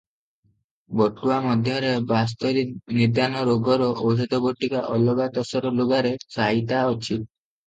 ବଟୁଆ ମଧ୍ୟରେ ବାସ୍ତରୀ ନିଦାନ ରୋଗର ଔଷଧ ବଟିକା ଅଲଗା ତସର ଲୁଗାରେ ସାଇତା ଅଛି ।